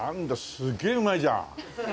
すげえうまいじゃん。